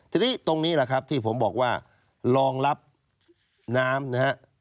ทีนี้ตรงนี้แหละครับที่ผมบอกว่ารองรับน้ำนะฮะ